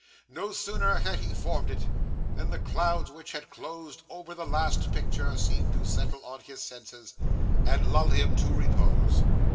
No sooner had he formed it, than the cloud which had closed over the last picture, seemed to settle on his senses, and lull him to repose.